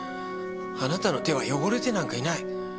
あなたの手は汚れてなんかいない。